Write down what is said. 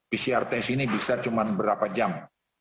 pcr test ini bisa cuma berapa jam